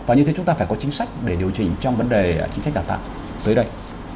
và như thế chúng ta phải có chính sách để điều chỉnh trong vấn đề chính sách đào tạo dưới đây